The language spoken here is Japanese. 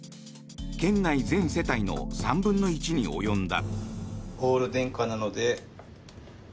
県内全世帯の３分の１に及んだ。